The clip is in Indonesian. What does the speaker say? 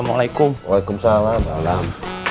hai assalamualaikum waalaikumsalam